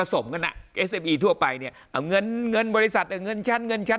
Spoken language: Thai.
สมกันอ่ะทั่วไปเนี้ยเอาเงินเงินบริษัทเอาเงินชั้นเงินชั้น